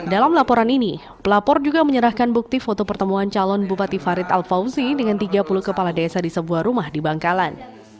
dalam laporan ini pelapor juga menyerahkan bukti foto pertemuan calon bupati farid al fauzi dengan tiga puluh kepala desa di sebuah rumah di bangkalan